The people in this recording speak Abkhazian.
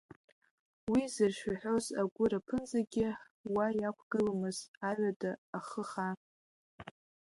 Уи зыршәаҳәоз агәыр аԥынҵагьы уа иақәгыламызт, аҩада ахы хан.